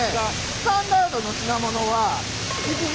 スタンダードな品物は１時間。